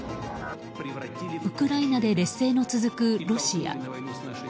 ウクライナで劣勢の続くロシア。